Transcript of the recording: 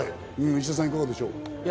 石田さん、いかがですか？